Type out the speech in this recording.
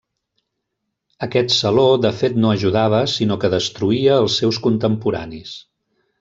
Aquest saló de fet no ajudava sinó que destruïa els seus contemporanis.